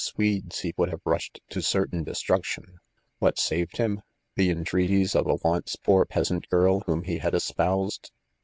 Svodf he would have rushed to certain destruction. What enved bun ? the entreaties of a once poor peasant girL whom he had espoused?